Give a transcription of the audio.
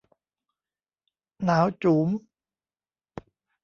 หนาวจู๋ม